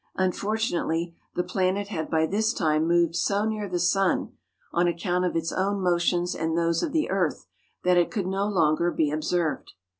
Unfortunately, the planet had by this time moved so near the sun, on account of its own motions and those of the earth, that it could no longer be observed.